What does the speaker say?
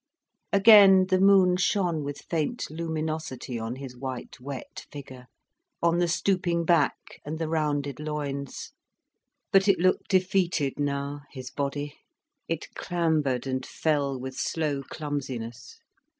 Again the moon shone with faint luminosity on his white wet figure, on the stooping back and the rounded loins. But it looked defeated now, his body, it clambered and fell with slow clumsiness.